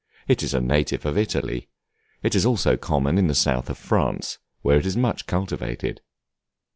It is a native of Italy: it is also common in the south of France, where it is much cultivated.